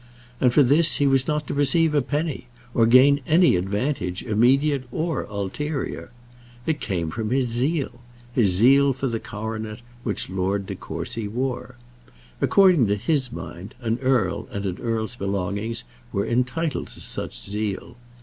And for this he was not to receive a penny, or gain any advantage, immediate or ulterior. It came from his zeal, his zeal for the coronet which Lord De Courcy wore. According to his mind an earl and an earl's belongings were entitled to such zeal.